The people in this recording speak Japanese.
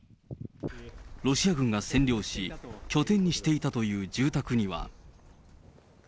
ロシア軍が占領し、拠点にしていたという住宅には。